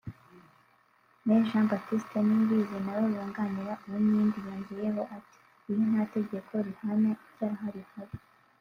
Me Jean Baptiste Niyibizi nawe wunganira Uwinkindi yongeyeho ati ”Iyo nta tegeko rihana icyaha rihari